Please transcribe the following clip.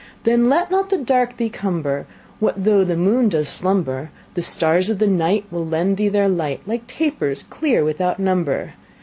"Then let not the dark thee cumber; What though the moon does slumber, The stars of the night Will lend thee their light, Like tapers clear without number.